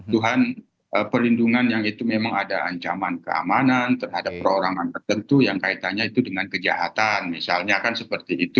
tuhan perlindungan yang itu memang ada ancaman keamanan terhadap perorangan tertentu yang kaitannya itu dengan kejahatan misalnya kan seperti itu